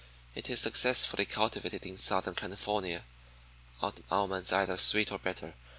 It is successfully cultivated in southern California. Almonds are either sweet or bitter.